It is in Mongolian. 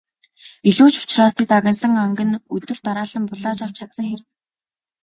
Илүү ч учраас тэд агнасан анг нь өдөр дараалан булааж авч чадсан хэрэг.